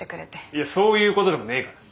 いやそういうことでもねえから。